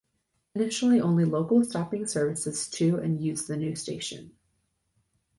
Initially only local stopping services to and used the new station.